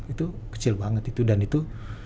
itu kecil banget itu dan itu